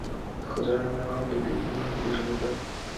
د خزان رڼا هم د دوی په زړونو کې ځلېده.